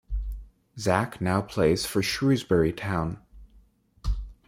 Zak now plays for Shrewsbury Town.